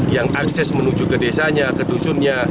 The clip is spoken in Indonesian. yang akses menuju ke desanya ke dusunnya